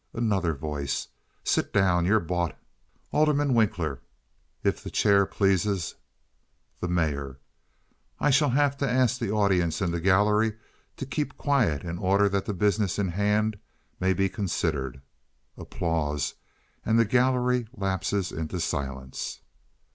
Another Voice. "Sit down. You're bought!" Alderman Winkler. "If the chair pleases—" The Mayor. "I shall have to ask the audience in the gallery to keep quiet in order that the business in hand may be considered." (Applause, and the gallery lapses into silence.)